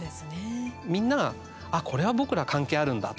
みんながこれは僕ら関係あるんだと。